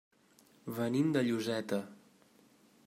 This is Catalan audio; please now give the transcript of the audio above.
Venim de Lloseta.